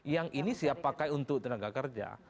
yang ini siap pakai untuk tenaga kerja